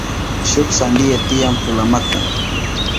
Shuk sandiya tiyan pula maku.